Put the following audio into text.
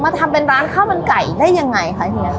ทำเป็นร้านข้าวมันไก่ได้ยังไงคะเฮีย